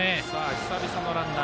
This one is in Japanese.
久々のランナー。